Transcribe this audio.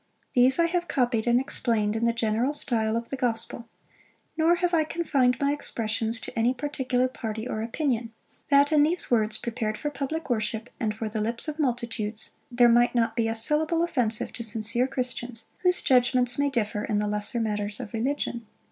These I have copied and explained in the general style of the gospel; nor have I confined my expressions to any particular party or opinion; that in words prepared for public worship, and for the lips of multitudes, there might not be a syllable offensive to sincere Christians, whose judgments may differ in the lesser matters of religion.